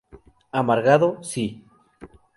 Amargado, sí.